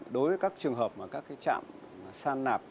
đối với các trường hợp mà các trạm san nạp